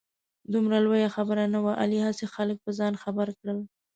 دومره لویه خبره نه وه. علي هسې خلک په ځان خبر کړ.